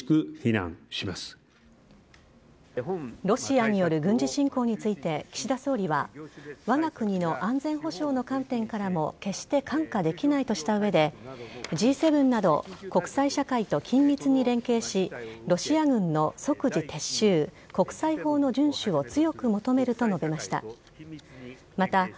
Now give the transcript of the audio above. ロシアによる軍事侵攻について岸田総理はわが国の安全保障の観点からも決して看過できないとした上でＧ７など国際社会と緊密に連携しロシア軍の即時撤収国際法の順守を強く求めると述べました。